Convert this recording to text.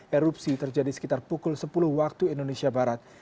erupsi terjadi sekitar pukul sepuluh waktu indonesia barat